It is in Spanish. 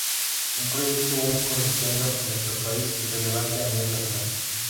Un proyecto único en su genero en nuestro País y relevante a Nivel Internacional.